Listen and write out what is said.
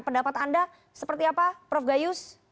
pendapat anda seperti apa prof gayus